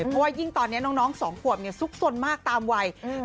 เพราะว่ายิ่งตอนนี้น้องน้องสองขวบเนี่ยซุกสนมากตามวัยอืม